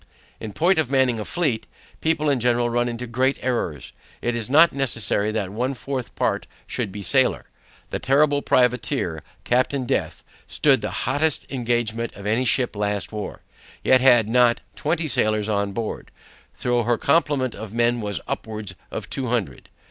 In point of manning a fleet, people in general run into great errors; it is not necessary that one fourth part should be sailor. The Terrible privateer, Captain Death, stood the hottest engagement of any ship last war, yet had not twenty sailors on board, though her complement of men was upwards of two hundred.